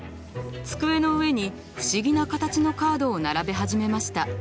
机の上に不思議な形のカードを並べ始めました。